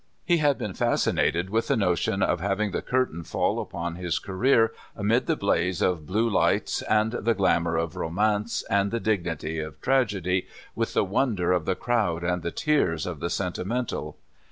He had been fascinated with the notion of having the curtain fall upon his career amid the blaze of blue lights and the glamour of romance and the dignity of tragedy, with the wonder of the crowd and the tears of the sentimental.